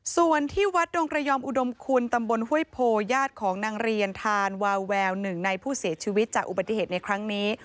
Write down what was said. ส่วนที่วัดดงระยอมอุดมคุณตำบลห้วยโพญาติของนางเรียนทานวาแววหนึ่งในผู้เสียชีวิตจากอุบัติเหตุในครั้งนี้